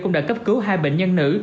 cũng đã cấp cứu hai bệnh nhân nữ